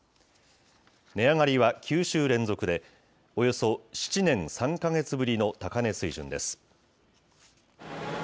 値上がりは９週連続で、およそ７年３か月ぶりの高値水準です。